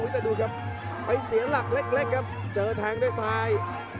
แต่ดูครับไปเสียหลักเล็กครับเจอแทงด้วยซ้าย